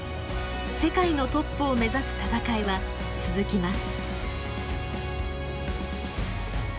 世界のトップを目指す戦いは続きます。